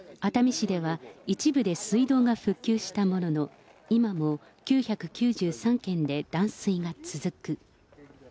熱海市では一部で水道が復旧したものの、今も９９３軒で断水が続く。